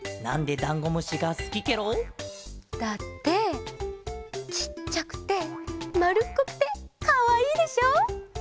なんでだんごむしがすきケロ？だってちっちゃくてまるっこくてかわいいでしょ。